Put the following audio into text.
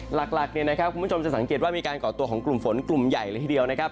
หลักเนี่ยนะครับคุณผู้ชมจะสังเกตว่ามีการก่อตัวของกลุ่มฝนกลุ่มใหญ่เลยทีเดียวนะครับ